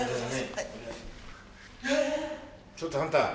ちょっとあんた。